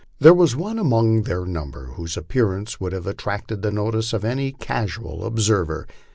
There was one among their number whose appearance would have attracted the notice of any casual observer.